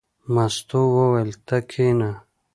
مستو وویل: ته کېنه.